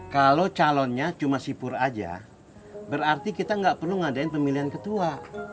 kalau calonnya cuma sipur aja berarti kita nggak perlu ngadain pemilihan ketua